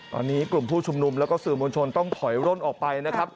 ตอนนี้กลุ่มผู้ชุมนุมแล้วก็สื่อมวลชนต้องถอยร่นออกไปนะครับ